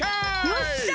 よっしゃ！